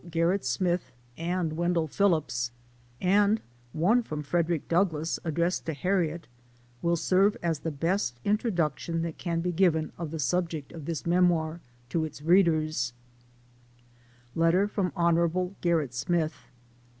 5 Gerrit Smith and Wendell Phillips, and one from Frederick Douglass, addressed to Harriet, will serve as the best introduction that can be given of the subject of this memoir to its readers : Letter from Hon. Gerrit Smith.